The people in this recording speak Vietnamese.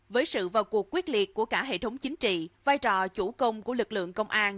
với sự vào cuộc quyết liệt của cả hệ thống chính trị vai trò chủ công của lực lượng công an